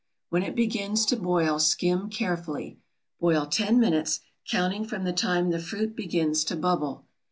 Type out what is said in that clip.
When it begins to boil skim carefully. Boil ten minutes, counting from the time the fruit begins to bubble.